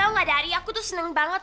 tau gak daddy aku tuh seneng banget